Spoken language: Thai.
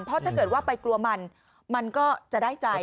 เพราะถ้าเกิดว่าไปกลัวมันมันก็จะได้ใจ